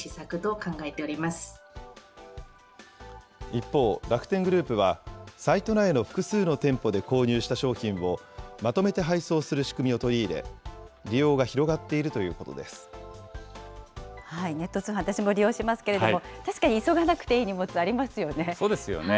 一方、楽天グループは、サイト内の複数の店舗で購入した商品を、まとめて配送する仕組みを取り入れ、利用が広がっているというこネット通販、私も利用しますけれども、確かに急がなくていい荷物、ありますよね。